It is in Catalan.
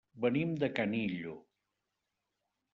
Venim de Canillo.